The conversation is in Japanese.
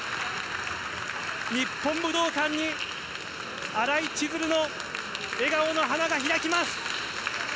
日本武道館に新井千鶴の笑顔の花が開きます。